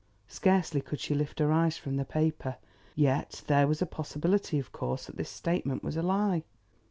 Scarcely could she lift her eyes from the paper. Yet there was a possibility, of course, that this statement was a lie.